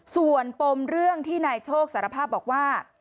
ส่วนปมเรื่องที่นายโชคสารภาพบอกว่า